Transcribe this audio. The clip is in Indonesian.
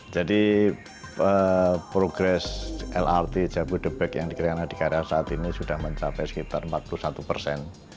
jadi progres lrt jabodetabek yang dikira kira adhikarya saat ini sudah mencapai sekitar empat puluh satu persen